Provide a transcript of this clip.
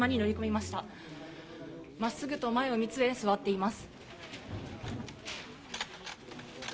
まっすぐと前を見据え、座っています。